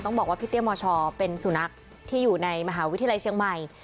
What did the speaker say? บอกว่าพี่เตี้ยมชเป็นสุนัขที่อยู่ในมหาวิทยาลัยเชียงใหม่